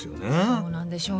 そうなんでしょうね。